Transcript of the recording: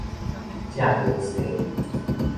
正爿踅